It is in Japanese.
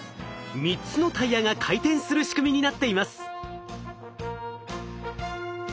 ３つのタイヤが回転する仕組みになっています。